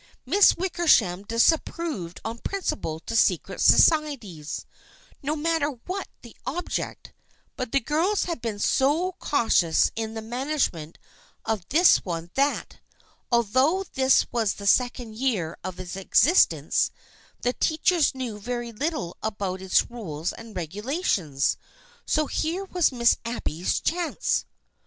Miss Wickersham disapproved on principle to secret societies, no matter what the object, but the girls had been so cautious in the management of this one that, although this was the second year of its existence, the teachers knew very little about its rules and regulations. So here was Miss Abby's chance.